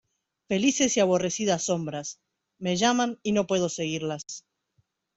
¡ felices y aborrecidas sombras: me llaman y no puedo seguirlas!